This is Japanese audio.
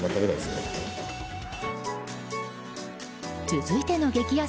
続いての激安